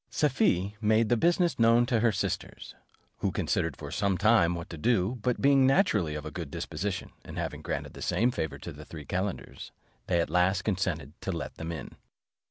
Safie made the business known to her sisters, who considered for some time what to do: but being naturally of a good disposition, and having granted the same favour to the three calenders, they at last consented to let them in.